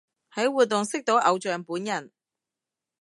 喺活動識到偶像本人